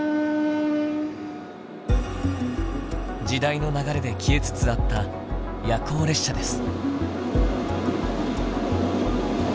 時代の流れで消えつつあった「夜行列車」です。